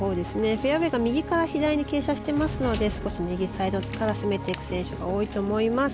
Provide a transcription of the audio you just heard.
フェアウェーが右から左に傾斜していますので右サイドから攻めていく選手が多いと思います。